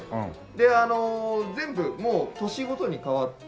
あの全部もう年ごとに変わって。